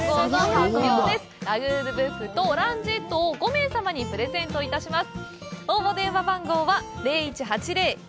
特選近江牛ラグー・ドゥ・ブッフとオランジェットを５名様にプレゼントいたします。